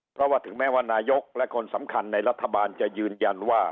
เพราะว่าถึงแม้ว่านายกและคนสำคัญในรัฐบาลจะยืนยันว่า